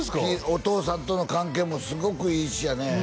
お父さんとの関係もすごくいいしやね